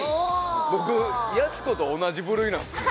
僕やす子と同じ部類なんすね